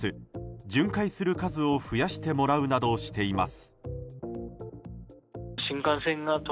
巡回する数を増やしてもらうなどしています。